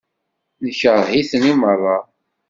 Nekṛeh-iten i meṛṛa.